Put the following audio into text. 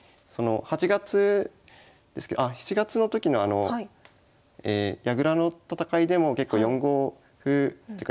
８月あ７月の時のあの矢倉の戦いでも結構４五歩ていうか